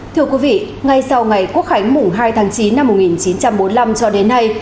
thưa quý vị ngay sau ngày quốc khánh mùng hai tháng chín năm một nghìn chín trăm bốn mươi năm cho đến nay